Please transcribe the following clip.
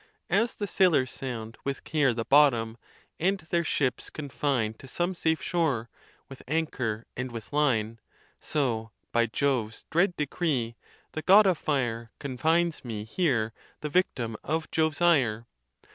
As the sailors sound With care the bottom, and their ships confine To some safe shore, with anchor and with line; So, by Jove's dread decree, the God of fire Confines me here the victim of Jove's ire.